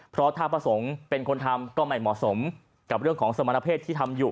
เพราะถ้าพระสงฆ์เป็นคนทำก็ไม่เหมาะสมกับเรื่องของสมณเพศที่ทำอยู่